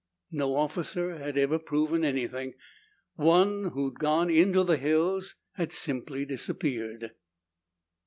No officer had ever proven anything. One who'd gone into the hills had simply disappeared.